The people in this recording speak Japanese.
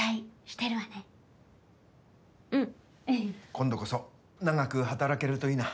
今度こそ長く働けるといいな。